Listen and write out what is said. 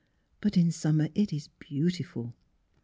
But in summer it is beau tiful."